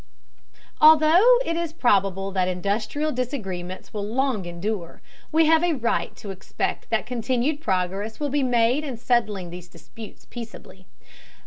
Although it is probable that industrial disagreements will long endure, we have a right to expect that continued progress will be made in settling these disputes peaceably.